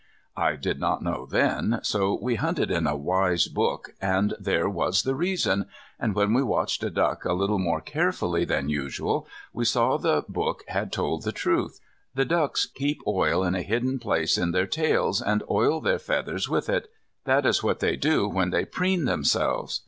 I did not know then, so we hunted in a wise book and there was the reason, and when we watched a duck a little more carefully than usual we saw the book told the truth. The ducks keep oil in a hidden place in their tails, and oil their feathers with it. That is what they do when they preen themselves.